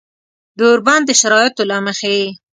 د اوربند د شرایطو له مخې